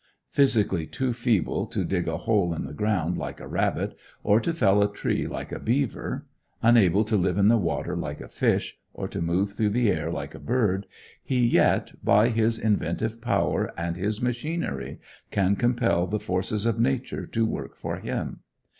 Physically too feeble to dig a hole in the ground like a rabbit, or to fell a tree like a beaver; unable to live in the water like a fish, or to move through the air like a bird; he yet, by his inventive power and his machinery, can compel the forces of nature to work for him.